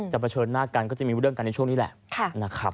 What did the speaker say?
เผชิญหน้ากันก็จะมีเรื่องกันในช่วงนี้แหละนะครับ